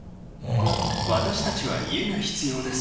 私たちは家が必要です。